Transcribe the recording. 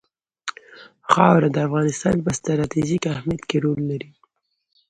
خاوره د افغانستان په ستراتیژیک اهمیت کې رول لري.